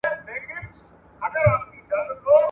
چي رنگ دي دئ د غله، ناسته دي پر څه؟